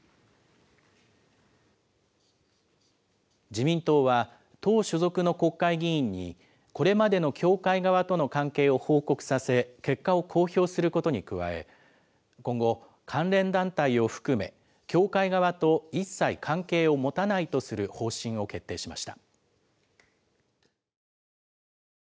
自民党は、党所属の国会議員に、これまでの教会側との関係を報告させ、結果を公表することに加え、今後、関連団体を含め、教会側と一切関係を持たないとする方針を決定しました。